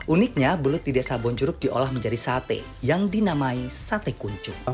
uniknya belut di desa bonjuruk diolah menjadi sate yang dinamai sate kuncu